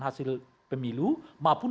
hasil pemilu maupun